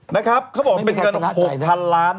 นะครับเขาบอกเป็นเงิน๖๐๐๐ล้าน